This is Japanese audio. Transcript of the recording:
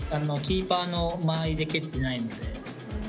キーパーの間合いで蹴ってないので。